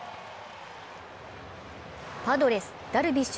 パドレス・ダルビッシュ